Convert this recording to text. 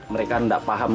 mereka tidak paham